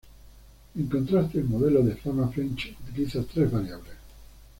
En contraste, el modelo de Fama-French utiliza tres variables.